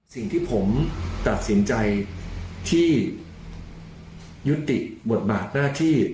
สิ่งที่ผมตัดสินใจที่ยุติบทบาทหน้าที่